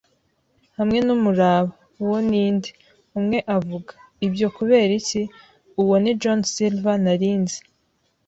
hamwe n'umuraba. 'Uwo ni nde?' umwe avuga. 'Ibyo! Kubera iki, uwo ni John Silver. Nari nzi